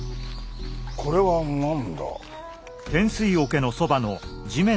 これは何だ？